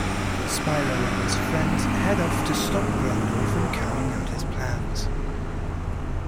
Spyro and his friends head off to stop Grendor from carrying out his plans.